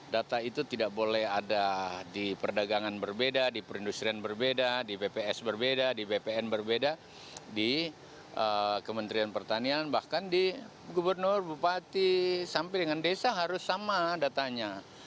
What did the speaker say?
data itu tidak boleh ada di perdagangan berbeda di perindustrian berbeda di bps berbeda di bpn berbeda di kementerian pertanian bahkan di gubernur bupati sampai dengan desa harus sama datanya